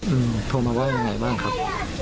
อืมโทรมาว่ายังไงบ้างครับ